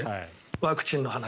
ワクチンの話。